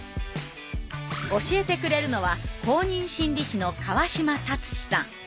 教えてくれるのは公認心理師の川島達史さん。